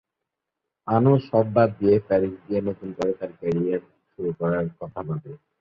আনু সব বাদ দিয়ে প্যারিস গিয়ে নতুন করে তার ক্যারিয়ার শুরু করার কথা ভাবে।